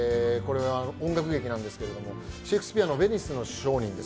音楽劇なんですけどもシェイクスピアの「ヴェニスの商人」です